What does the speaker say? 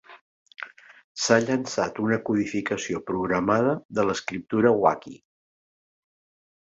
S'ha llançat una codificació programada de l'escriptura wakhi.